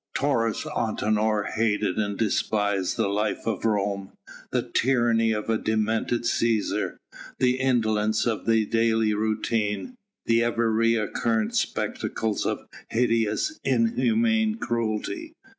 Taurus Antinor hated and despised the life of Rome, the tyranny of a demented Cæsar, the indolence of the daily routine, the ever recurrent spectacles of hideous, inhuman cruelty.